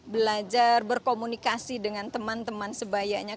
belajar berkomunikasi dengan teman teman sebayanya